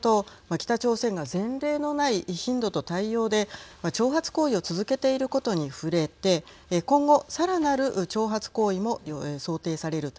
北朝鮮が前例のない頻度と態様で挑発行為を続けていることに触れて今後さらなる挑発行為も想定されると。